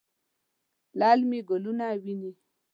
للمي ګلونه ویني